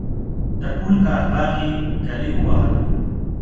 د ټول کال باغ یې گلی ووهلو.